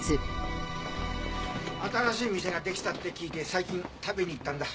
新しい店ができたって聞いて最近食べに行ったんだ。